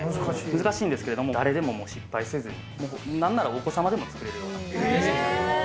難しいんですけれども、誰でも失敗せずに、なんならお子様でも作れるような。